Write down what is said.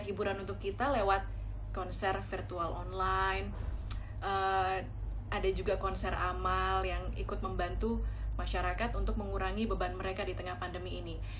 hiburan untuk kita lewat konser virtual online ada juga konser amal yang ikut membantu masyarakat untuk mengurangi beban mereka di tengah pandemi ini